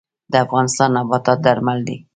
د افغانستان نباتات درمل دي